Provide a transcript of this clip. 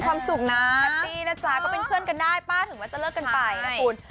ความสุขนะแฮปปี้นะจ๊ะก็เป็นเพื่อนกันได้ป้าถึงว่าจะเลิกกันไปนะคุณ